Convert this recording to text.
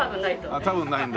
多分ないと。